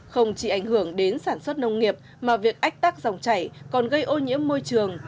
không chỉ ảnh hưởng đến sản xuất nông nghiệp mà việc ách tắc dòng chảy còn gây ô nhiễm môi trường